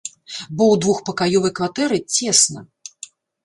Бо ў двухпакаёвай кватэры цесна.